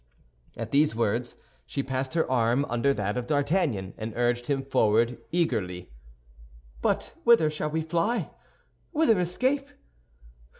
At these words she passed her arm under that of D'Artagnan, and urged him forward eagerly. "But whither shall we fly—whither escape?"